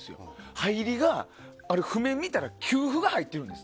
入りが、譜面を見たら休符が入ってるんです。